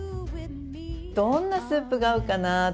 どんなスープが合うかなと思って。